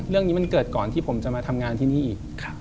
เรื่องนี้มันเกิดก่อนที่ผมจะมาทำงานที่นี่อีก